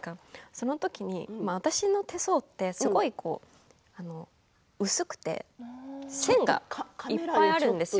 その時に私の手相はすごい薄くて線がいっぱいあるんですよ。